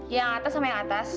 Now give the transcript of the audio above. yang atas sama yang atas